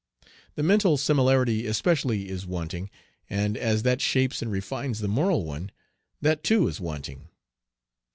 The mental similarity especially is wanting, and as that shapes and refines the moral one, that too is wanting.